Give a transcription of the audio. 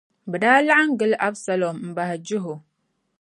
bɛ daa laɣim gili Absalom m-bahi jɛhi o.